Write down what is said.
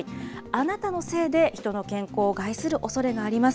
あなたのせいで人の健康を害するおそれがあります。